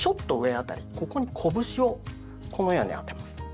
ここに拳をこのように当てます。